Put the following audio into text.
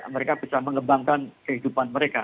mereka bisa mengembangkan kehidupan mereka